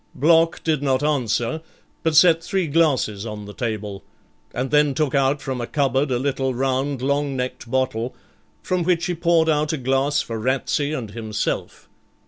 Block did not answer, but set three glasses on the table, and then took out from a cupboard a little round long necked bottle, from which he poured out a glass for Ratsey and himself.